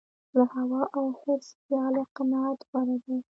له هوا او حرص خیاله قناعت غوره دی.